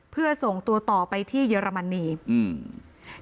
เพื่อส่งตัวต่อไปที่เยอรมนีอืม